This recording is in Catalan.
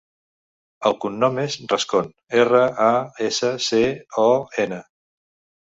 El cognom és Rascon: erra, a, essa, ce, o, ena.